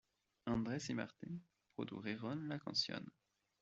Anders y Martin produjeron la canción.